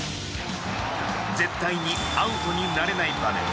絶対にアウトになれない場面。